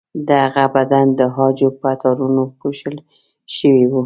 د هغه بدن د عاجو په تارونو پوښل شوی و.